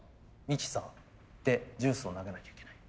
ミキサーでジュースを投げなきゃいけない。